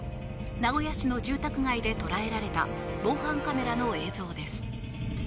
名古屋市の住宅街で捉えられた防犯カメラの映像です。